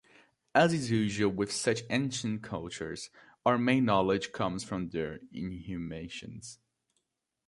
As is usual with such ancient cultures, our main knowledge comes from their inhumations.